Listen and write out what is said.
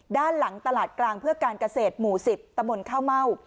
ด้านหลังตลาดกลางเพื่อการเกษตรหมู่๑๐ตะมนต์ข้าวเม่า